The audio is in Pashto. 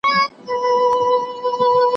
د ویني بهیدل څنګه درول کیږي؟